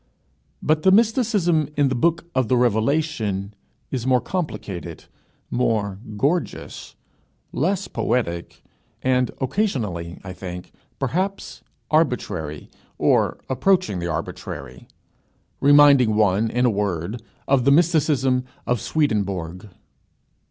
But the mysticism in the Book of the Revelation is more complicated, more gorgeous, less poetic, and occasionally, I think, perhaps arbitrary, or approaching the arbitrary; reminding one, in a word, of the mysticism of Swedenborg.